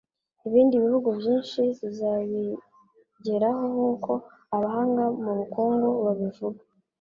ibindi bihugu byinshi zizabigeraho nk'uko abahanga mu bukungu babivuga.